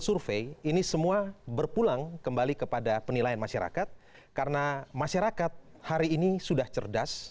survei ini semua berpulang kembali kepada penilaian masyarakat karena masyarakat hari ini sudah cerdas